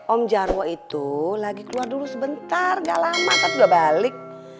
om jarwo itu lagi keluar dulu sebentar enggak lama kan enggak balik